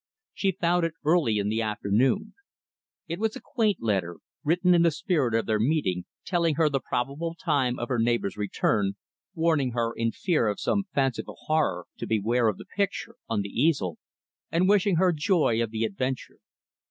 She found it early in the afternoon. It was a quaint letter written in the spirit of their meeting telling her the probable time of her neighbor's return; warning her, in fear of some fanciful horror, to beware of the picture on the easel; and wishing her joy of the adventure.